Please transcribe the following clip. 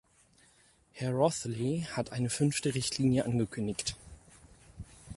Herr Rothley hat eine fünfte Richtlinie angekündigt.